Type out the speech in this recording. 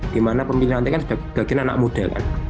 di mana pemilihan nanti kan sebagian anak muda